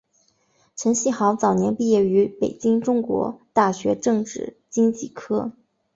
陈希豪早年毕业于北京中国大学政治经济科。